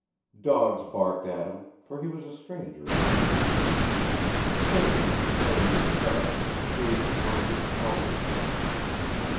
Dogs barked at him, for he was a stranger in his own camp; children, playing in the dust, gazed upon him owlishly.